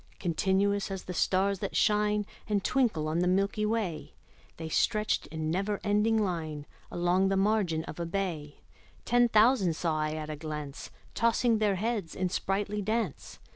Continuous as the stars that shine And twinkle on the milky way, The stretched in never ending line Along the margin of a bay: Ten thousand saw I at a glance, Tossing their heads in sprightly dance.